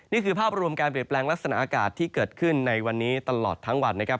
นี่คือภาพรวมการเปลี่ยนแปลงลักษณะอากาศที่เกิดขึ้นในวันนี้ตลอดทั้งวันนะครับ